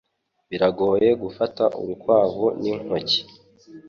Biragoye gufata urukwavu n'intoki.